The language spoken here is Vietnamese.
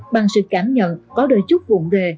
bằng sự cảm nhận có đời chúc vụn rề